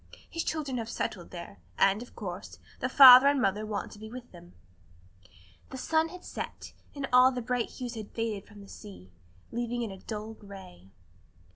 His children have settled there, and, of course, the father and mother want to be with them." The sun had set, and all the bright hues had faded from the sea, leaving it a dull gray.